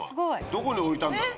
どこに置いたんだろ。